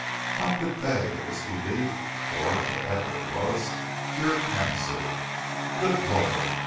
How could they, or this belief, or whatever it was, cure cancer? Good Lord!